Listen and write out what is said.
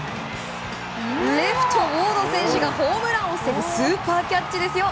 レフト、ウォード選手がホームランを防ぐスーパーキャッチですよ。